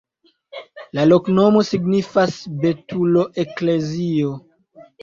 La loknomo signifas: betulo-eklezio.